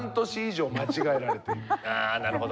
あなるほど。